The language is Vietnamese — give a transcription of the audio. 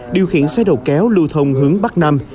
điều khiển xe đầu kéo lưu thông hướng bắc nam